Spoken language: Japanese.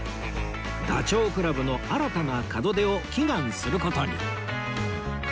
ダチョウ倶楽部の新たな門出を祈願する事に